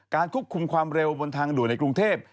ควบคุมความเร็วบนทางด่วนในกรุงเทพ